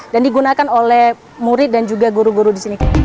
dan digunakan oleh murid dan juga guru guru di sini